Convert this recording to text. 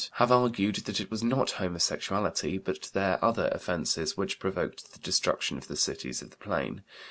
742), have argued that it was not homosexuality, but their other offenses, which provoked the destruction of the Cities of the Plain.